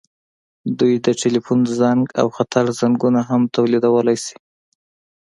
دوی د ټیلیفون زنګ او خطر زنګونه هم تولیدولی شي.